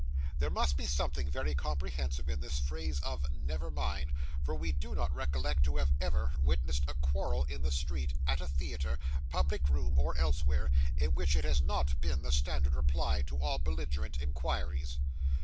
There must be something very comprehensive in this phrase of 'Never mind,' for we do not recollect to have ever witnessed a quarrel in the street, at a theatre, public room, or elsewhere, in which it has not been the standard reply to all belligerent inquiries.